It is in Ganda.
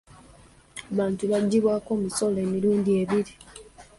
Abantu baggibwako omusolo emirundi ebiri.